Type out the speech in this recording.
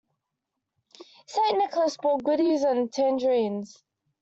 St. Nicholas brought goodies and tangerines.